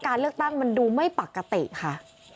การเลือกตั้งมันดูไม่ปกติค่ะ